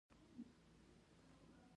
د مخامخ جنګېدلو فرصت نه درلود.